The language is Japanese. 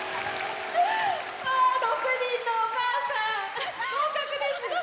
６人のお母さん合格です！